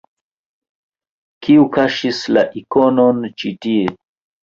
Kiu kaŝis la ikonon ĉi tie?